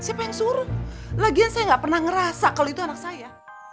siapa yang suruh lagian saya nggak pernah ngerasa kalau itu anak saya